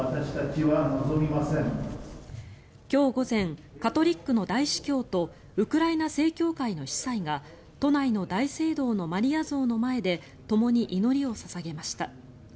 今日午前カトリックの大司教とウクライナ正教会の司祭が都内の大聖堂のマリア像の前でともに祈りを捧げました。